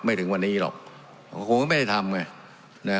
ไม่ถึงวันนี้หรอกก็คงไม่ได้ทำไงนะฮะ